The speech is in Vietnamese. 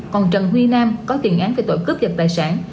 còn trần huy nam có tiền án về tội cướp giật tài sản